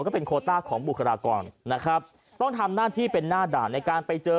ก็เป็นโคต้าของบุคลากรนะครับต้องทำหน้าที่เป็นหน้าด่านในการไปเจอ